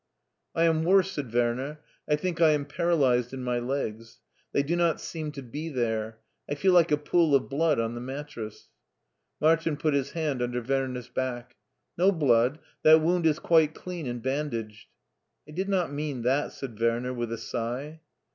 " I am worse/' said Werner ;I think I am para lyzed in my legs. They do not seem to be there. I fed like a pool of blood on the mattress." Martin put his hand tmder Werner's back. "No blood; that wound is quite clean and bandaged." I did not mean that/* said Werner with a sigh.